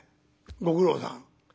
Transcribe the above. ご苦労さん」。